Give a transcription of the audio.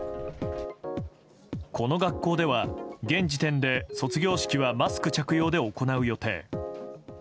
この学校では現時点で卒業式はマスク着用で行う予定。